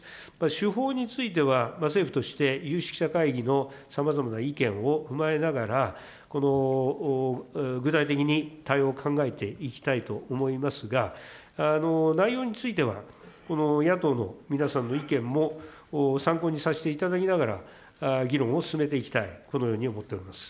手法については、政府として有識者会議のさまざまな意見を踏まえながら、この具体的に対応を考えていきたいと思いますが、内容については、野党の皆さんの意見も参考にさせていただきながら、議論を進めていきたい、このように思っております。